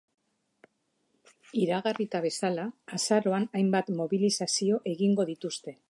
Iragarrita bezala, azaroan hainbat mobilizazio egingo dituzte.